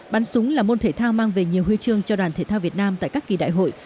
bắn súng là môn thể thao mang về nhiều huy chương cho đoàn thể thao việt nam tại các kỳ đại hội